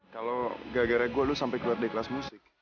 kalau tidak gara gara saya kamu sampai keluar dari kelas musik